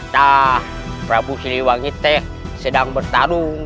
tak prabu siliwangi itu sedang bertarung